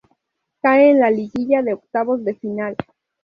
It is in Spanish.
Cae en la liguilla de Octavos de final.